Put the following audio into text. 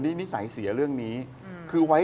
ที่นิสัยเสียเรื่องนี้